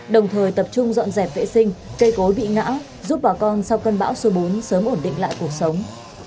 đồng thời tập trung dọn dẹp vệ sinh cây cối bị ngã giúp bà con sau cơn bão số bốn sớm ổn định lại cuộc sống